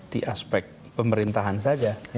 di aspek pemerintahan saja